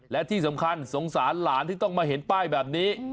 และที่สำคัญสงสารหลานที่ต้องมาเห็นป้ายแบบนี้